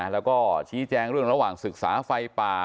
แล้วก็ชี้แจงเรื่องระหว่างศึกษาไฟป่า